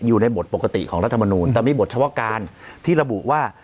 อยู่ในบทปกติของรัฐมนูลแต่มีบทเฉพาะการที่ระบุว่า